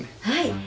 はい。